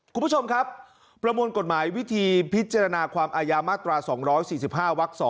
คุณผู้ชมครับประมวลกฎหมายวิธีพิจารณาความอายามาตรา๒๔๕วัก๒